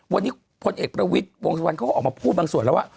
วันนี้พลเอกประวิทย์วงสุวรรณเขาก็ออกมาพูดบางส่วนแล้วว่า